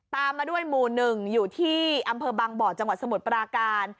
ตามมาด้วยหมู่๑อยู่ที่อำเภอบางบ่อจังหวัดสมุทรปราการ